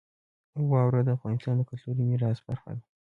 واوره د افغانستان د کلتوري میراث برخه ده.